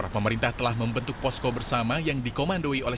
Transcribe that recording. pemerintah telah membentuk posko bersama yang dikomandoi oleh